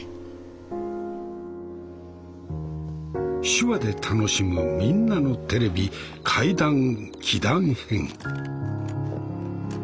「手話で楽しむみんなのテレビ怪談・奇談編」。